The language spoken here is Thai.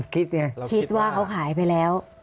คิดว่าเขาขายไปแล้ว